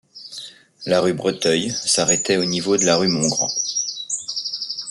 La rue Breteuil s’arrêtait au niveau de la rue Montgrand.